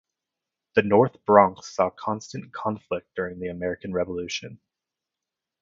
The North Bronx saw constant conflict During the American Revolution.